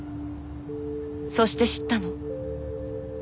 そして知ったの。